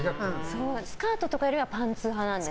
スカートとかよりはパンツ派ですか。